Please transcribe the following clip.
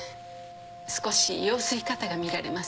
少し羊水過多が見られます。